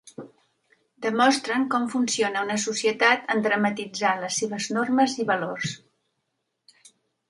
Demostren com funciona una societat en dramatitzar les seves normes i valors.